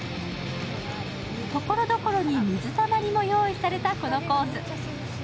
ところどころに水たまりも用意された、このコース。